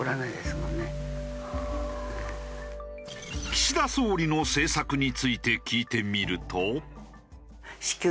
岸田総理の政策について聞いてみると。